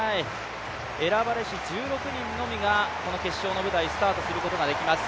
選ばれし１６人のみがこの決勝の舞台スタートすることができます。